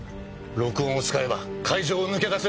録音を使えば会場を抜け出せるんです。